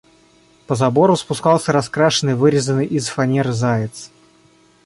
По забору спускался раскрашенный, вырезанный из фанеры заяц.